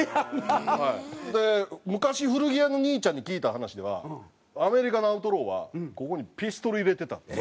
昔古着屋の兄ちゃんに聞いた話ではアメリカのアウトローはここにピストル入れてたって。